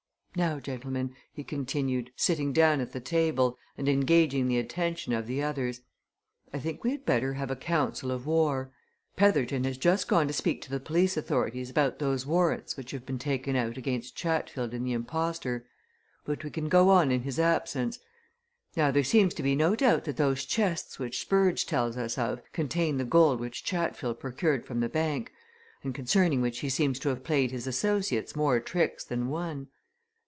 Now gentlemen!" he continued, sitting down at the table, and engaging the attention of the others, "I think we had better have a council of war. Petherton has just gone to speak to the police authorities about those warrants which have been taken out against Chatfield and the impostor, but we can go on in his absence. Now there seems to be no doubt that those chests which Spurge tells us of contain the gold which Chatfield procured from the bank, and concerning which he seems to have played his associates more tricks than one.